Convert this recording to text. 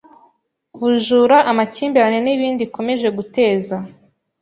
ubujura, amakimbirane n’ibindi ikomeje guteza.